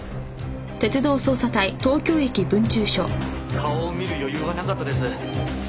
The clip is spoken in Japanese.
顔を見る余裕はなかったです。